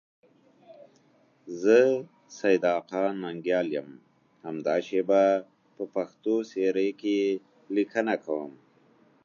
زه سیدآقا ننگیال یم، همدا شیبه په پښتو سیرې کې لیکنه کوم.